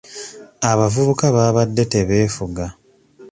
Abavubuka baabadde tebeefuga.